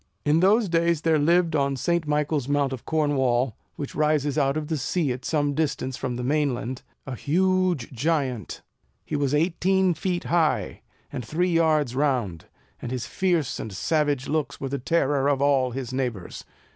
In those days there lived on St. Michael's Mount of Cornwall, which rises out of the sea at some distance from the main land, a huge giant. He was eighteen feet high, and three yards round; and his fierce and savage looks were the terror of all his neighbours.